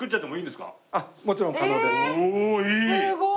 すごい！